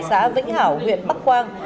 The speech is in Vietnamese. xã vĩnh hảo huyện bắc quang